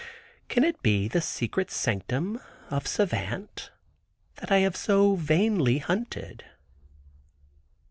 Can it be the secret sanctum of Savant, that I have so vainly hunted?